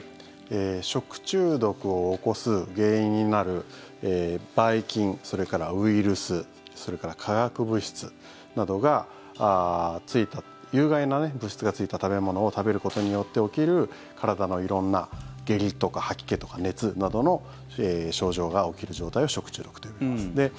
食中毒を起こす原因になるばい菌、それからウイルスそれから化学物質などがついた有害な物質がついた食べ物を食べることによって起きる体の色んな、下痢とか吐き気とか熱などの症状が起きる状態を食中毒と呼びます。